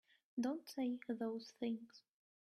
Don't say those things!